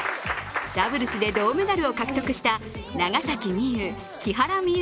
ダブルスで銅メダルを獲得した長崎美柚・木原美悠